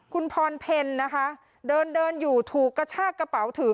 คุณพรเพลนะคะเดินเดินอยู่ถูกกระชากกระเป๋าถือ